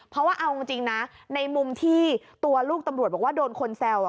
เพราะว่าเอาจริงนะในมุมที่ตัวลูกตำรวจบอกว่าโดนคนแซว